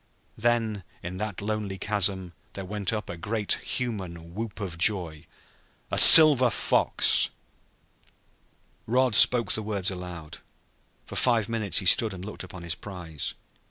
Then, in that lonely chasm, there went up a great human whoop of joy. "A silver fox!" Rod spoke the words aloud. For five minutes he stood and looked upon his prize.